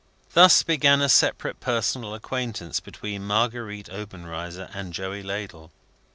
Thus began a separate personal acquaintance between Marguerite Obenreizer and Joey Ladle.